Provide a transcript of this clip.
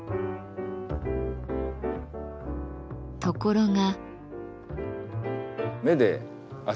ところが。